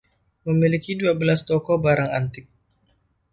Memiliki dua belas toko barang antik.